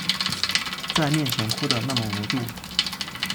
在面前哭的那么无助